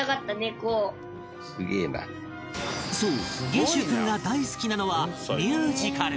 そう元秀君が大好きなのはミュージカル！